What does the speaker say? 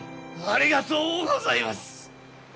ありがとうございます！